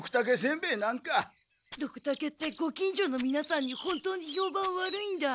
ドクタケってご近所のみなさんに本当にひょうばん悪いんだ。